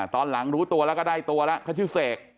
ตอนหลังรู้ตัวแล้วก็ได้ตัวแล้วเขาชื่อเสก